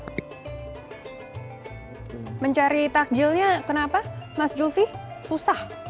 mencari takjilnya kenapa mas zulfi susah